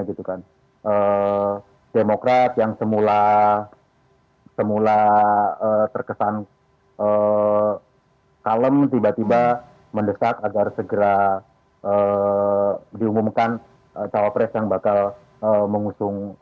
jadi itu kan demokrat yang semula terkesan kalem tiba tiba mendesak agar segera diumumkan capres yang bakal mengusung